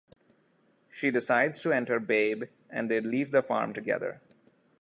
She decides to enter Babe and they leave the farm together.